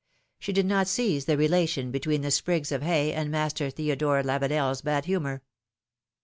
She did not seize the relation between the sprigs of hay and Master Theo dore Lavenefs bad humor.